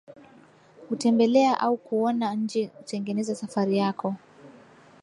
kutembelea au kuona nje tengeneza safari yako